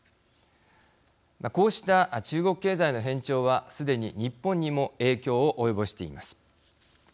こうした中国経済の変調はすでに日本にも影響を及ぼしています。